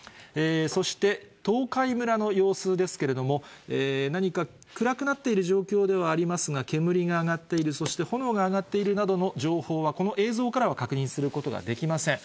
そして東海村の様子ですけれども、何か暗くなっている状況ではありますが、煙が上がっている、そして炎が上がっているなどの情報はこの映像からは確認することができません。